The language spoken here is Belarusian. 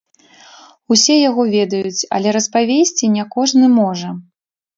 Усе яго ведаюць, але распавесці не кожны можа.